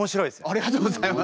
ありがとうございます。